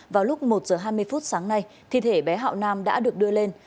vào lúc một giờ hai mươi phút sáng nay thi thể bé hạo nam đã được đưa lên